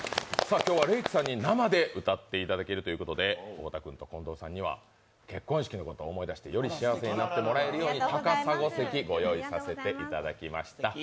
今日はＲａｋｅさんに生で歌っていただけるということで太田君と近藤さんには結婚式のことを思い出してより幸せな気分になるように高砂席ご用意させていただきました。